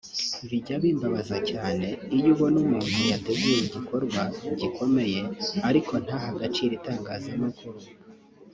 Bijya bimbabaza iyo ubona umuntu yateguye igikorwa gikomeye ariko ntahe agaciro itangazamakuru